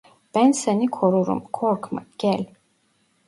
Ben seni korurum, korkma, gel.